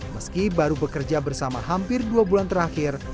meski baru bekerja bersama hampir dua bulan terakhir